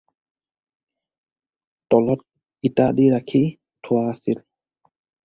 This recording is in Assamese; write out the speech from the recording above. তলত ইটা দি ৰাখি থোৱা আছিল।